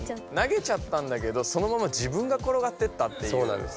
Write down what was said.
なげちゃったんだけどそのまま自分がころがってったっていう。